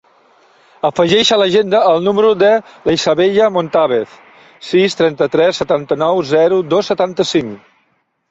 Afegeix a l'agenda el número de l'Isabella Montavez: sis, trenta-tres, setanta-nou, zero, dos, setanta-cinc.